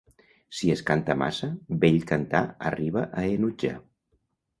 Si es canta massa, bell cantar arriba a enutjar.